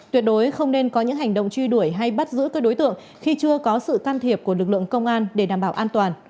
tuyệt đối không nên có những hành động truy đuổi hay bắt giữ các đối tượng khi chưa có sự can thiệp của lực lượng công an để đảm bảo an toàn